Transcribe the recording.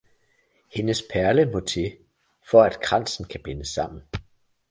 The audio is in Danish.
Hendes perle må til, for at kransen kan bindes sammen